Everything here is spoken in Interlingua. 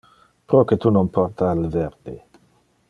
Proque tu non porta le verde?